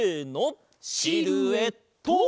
シルエット！